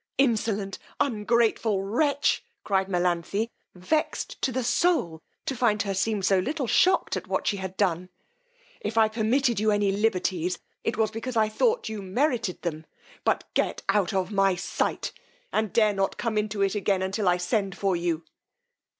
Insolent, ungrateful wretch, cried Melanthe, vexed to the soul to find her seem so little shocked at what she had done, if I permitted you any liberties, it was because I thought you merited them; but get out of my sight, and dare not to come into it again till I send for you.